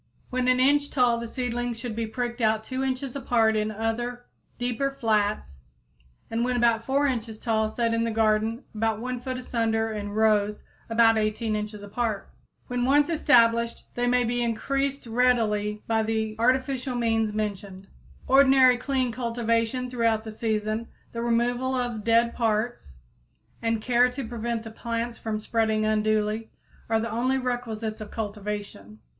When an inch tall the seedlings should be pricked out 2 inches apart in other, deeper flats and when about 4 inches tall set in the garden about 1 foot asunder in rows about 18 inches apart. When once established they may be increased readily by the artificial means mentioned. (See page 34.) Ordinary clean cultivation throughout the season, the removal of dead parts, and care to prevent the plants from spreading unduly, are the only requisites of cultivation.